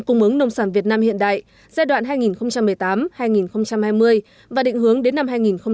cung ứng nông sản việt nam hiện đại giai đoạn hai nghìn một mươi tám hai nghìn hai mươi và định hướng đến năm hai nghìn ba mươi